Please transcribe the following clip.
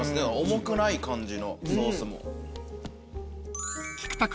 重くない感じのソースも。